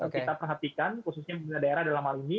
kita perhatikan khususnya pemerintah daerah dalam hal ini